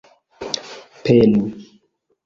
peni